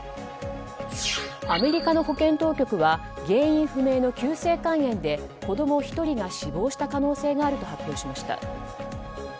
アメリカの保健当局は原因不明の急性肝炎で子供１人が死亡した可能性があると発表しました。